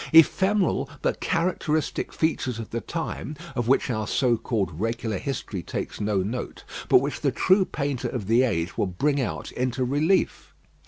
Ephemeral but characteristic features of the time of which our so called regular history takes no note, but which the true painter of the age will bring out into relief.